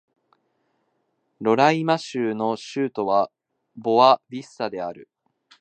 ロライマ州の州都はボア・ヴィスタである